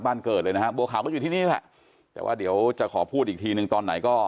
เกิดเลยนะฮะบัวขาวก็อยู่ที่นี่แหละแต่ว่าเดี๋ยวจะขอพูดอีกทีหนึ่งตอนไหนก็